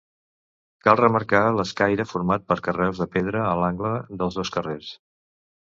Cal remarcar l'escaire format per carreus de pedra a l'angle dels dos carrers.